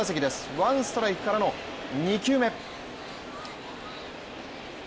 ワンストライクからの２球目。